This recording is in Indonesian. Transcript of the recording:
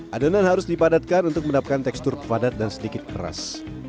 adonan harus dipadatkan untuk mendapatkan tekstur padat dan sedikit keras